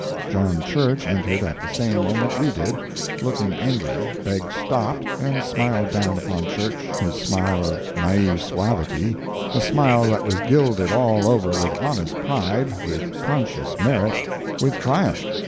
John Church entered at the same moment we did—looking angry, Beggs stopped, and smiled down upon Church his smile of naive suavity—a smile that was gilded all over with honest pride, with conscious merit—with triumph!